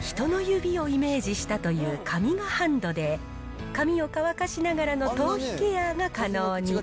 人の指をイメージしたというカミガハンドで、髪を乾かしながらの頭皮ケアが可能に。